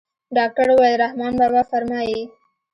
ډاکتر وويل رحمان بابا فرمايي.